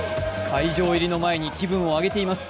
会場入りの前に気分を上げています。